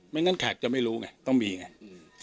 งั้นแขกจะไม่รู้ไงต้องมีไง